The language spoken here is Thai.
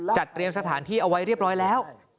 จัดเตรียมสถานที่เอาไว้เรียบร้อยแล้ว